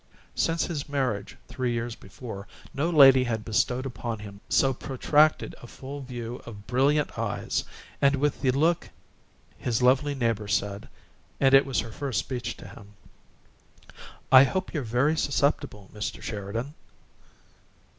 Since his marriage three years before, no lady had bestowed upon him so protracted a full view of brilliant eyes; and, with the look, his lovely neighbor said and it was her first speech to him "I hope you're very susceptible, Mr. Sheridan!"